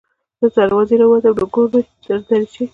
ـ زه تر دروازې راوتم نګور مې تر دريچې